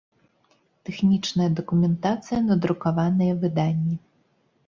Тэхнiчная дакументацыя на друкаваныя выданнi